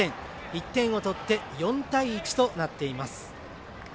１点を取って４対１となっています。